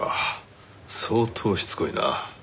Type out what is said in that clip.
相当しつこいな。